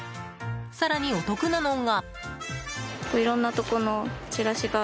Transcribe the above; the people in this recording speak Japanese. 更に、お得なのが。